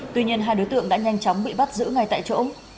tuy nhiên hai đối tượng đã nhanh chóng bị bắt giữ ngay tại chỗ